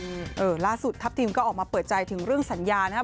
เออล่าสุดทัพทิมก็ออกมาเปิดใจถึงเรื่องสัญญานะครับ